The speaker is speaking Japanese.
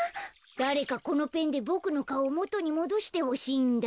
だれかこのペンでボクのかおをもとにもどしてほしいんだ。